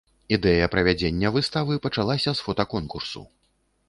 Ідэя правядзення выставы пачалася з фотаконкурсу.